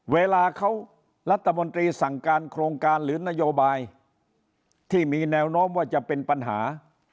เวลาเขารัฐมนตรีสั่งการโครงการหรือนโยบายที่มีแนวโน้มว่าจะเป็นปัญหา